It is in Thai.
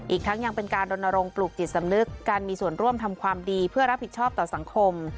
อีกทั้งยังเป็นการรณรงค์ปลูกจิตสำนึกการมีส่วนร่วมทำความดีเพื่อรับผิดชอบต่อสังคม